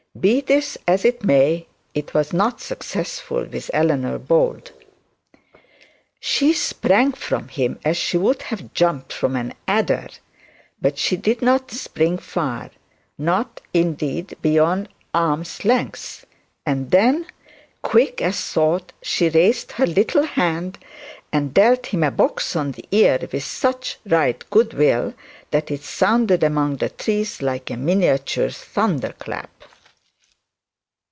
Be this as it may, it was not successful with Eleanor Bold. She sprang from him as she would have jumped from an adder, but she did not spring far; not, indeed, beyond arm's length; and then, quick as thought, she raised her little hand and dealt him a box on the ear with such right good will, that it sounded among the trees like a miniature thunder clap.